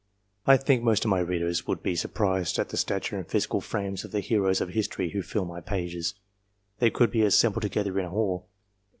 I think most of my readers would be surprised at the stature and physical frames of the heroes of history, who fill my pages, if they could be assembled together in a hall.